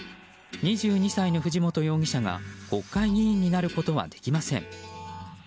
２２歳の藤本容疑者が国会議員になることはできません。